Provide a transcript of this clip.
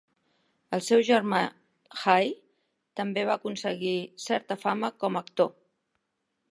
El seu germà Jay també va aconseguir certa fama com a actor.